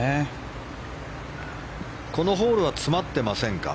このホールは詰まってませんか。